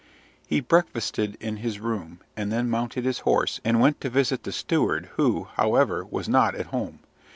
He breakfasted in his room, and then mounted his horse, and went to visit the steward, who, however, was not at home.